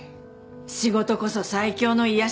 仕事こそ最強の癒やしだもんね。